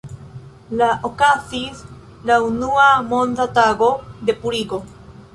La okazis la unua Monda Tago de Purigo.